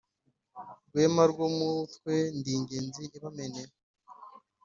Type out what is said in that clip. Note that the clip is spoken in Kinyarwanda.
rwema rw'umutwe ndi ingenzi ibamenera.